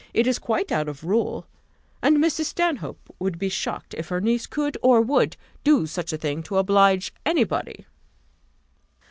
It is quite out of rule; and Mrs. Stanhope would be shocked if her niece could, or would, do such a thing to oblige any body."